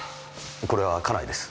これは家内です。